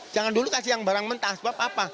jangan dulu kasih yang barang mentah sebab apa